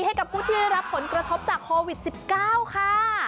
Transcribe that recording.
ให้กับผู้ที่รับผลกระทบจากโควิด๑๙ค่ะ